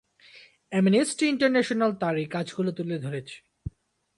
Amnesty international তার এই কাজগুলো তুলে ধরেছে।